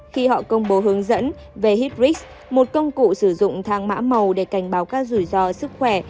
khi họ công bố hướng dẫn về hiprix một công cụ sử dụng thang mã màu để cảnh báo các rủi ro sức khỏe